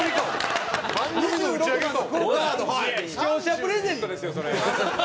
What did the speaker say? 視聴者プレゼントですよそれ。